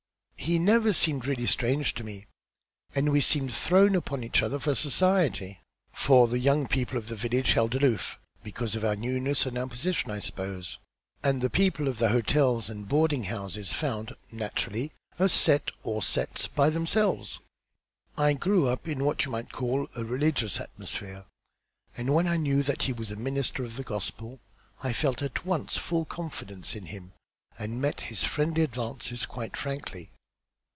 He never seemed really strange to me, and we seemed thrown upon each other for society, for the young people of the village held aloof, because of our newness, and our position, I suppose, and the people of the hotels and boarding houses found, naturally, a set, or sets, by themselves. I grew up in what you might call a religious atmosphere, and when I knew that he was a minister of the gospel, I felt at once full confidence in him and met his friendly advances quite frankly.